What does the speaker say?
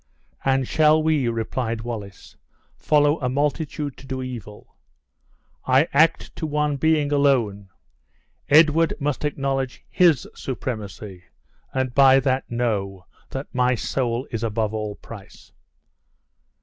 "And shall we," replied Wallace, "follow a multitude to do evil? I act to one Being alone. Edward must acknowledge HIS supremacy, and by that know that my soul is above all price!"